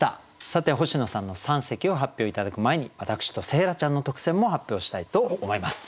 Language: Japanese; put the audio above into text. さて星野さんの三席を発表頂く前に私と星来ちゃんの特選も発表したいと思います。